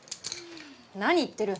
何言ってる。